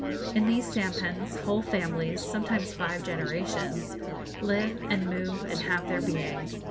In these sampans whole families, sometimes five generations, live and move and have their being.